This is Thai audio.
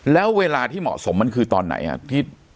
แล้วเวลาที่เหมาะสมมันคือตอนไหนครับ